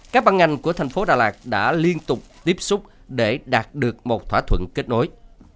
các băng ngành của tp hcm đã liên tục tiếp xúc để đạt được một thỏa thuận kết nối